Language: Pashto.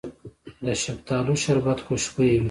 د شفتالو شربت خوشبويه وي.